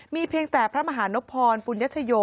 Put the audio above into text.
มีเพียงแต่พระมหานพรปุญญชโย